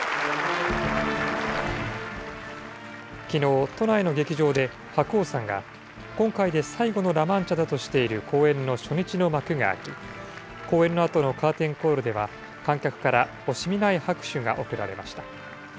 きのう、都内の劇場で白鸚さんが、今回で最後のラ・マンチャだとしている公演の初日の幕が開き、公演のあとのカーテンコールでは、観客から惜しみない拍手が送られました。